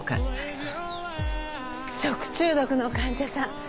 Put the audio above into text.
食中毒の患者さん